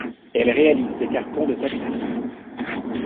Elle réalise ses cartons de tapisseries.